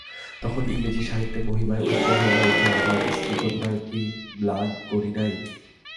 তখন ইংরেজি সাহিত্যের মহিমায় উজ্জ্বল হইয়া উঠিয়া আমার স্ত্রীর প্রতিভাকে কি ম্লান করি নাই।